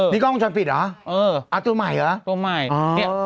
มีกล้องจอดปิดหรือคะตัวใหม่หรือคะโอ้โฮ